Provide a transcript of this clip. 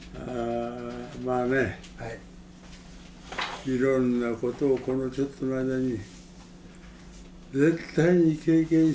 まあねいろんなことをこのちょっとの間に。